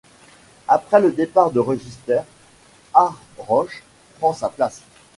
Après le départ de Register, Art Roche prend sa place.